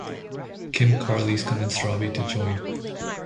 Kim Carlisle convinced Robbie to join.